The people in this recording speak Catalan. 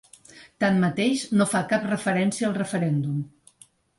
Tanmateix no fa cap referència al referèndum.